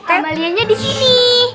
amalianya di sini